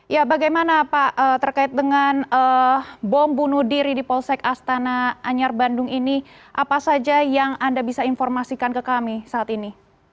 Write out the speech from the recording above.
ya bagaimana pak terkait dengan bom bunuh diri di polsek astana anyar bandung ini apa saja yang anda bisa informasikan ke kami saat ini